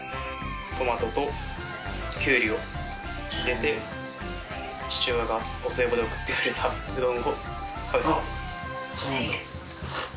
トマトとキュウリを入れて父親がお歳暮で送ってくれたうどんを食べます。